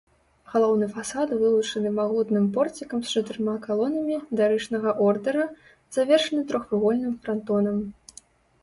Галоўны фасад вылучаны магутным порцікам з чатырма калонамі дарычнага ордара, завершаны трохвугольным франтонам.